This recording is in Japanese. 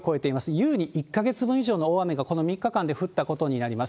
優に１か月分以上の大雨が、この３日間で降ったことになります。